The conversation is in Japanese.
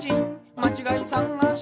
「まちがいさがし」